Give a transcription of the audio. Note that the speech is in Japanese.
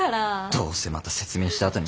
どうせまた説明したあとに。